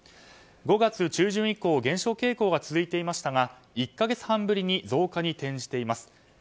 ５月中旬以降減少傾向が続いていましたが１か月半ぶりに増加に転じています。